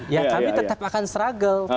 ya kami tetap akan struggle